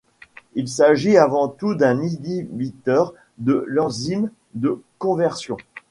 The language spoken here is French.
Il s'agit avant tout d'un inhibiteur de l'enzyme de conversion.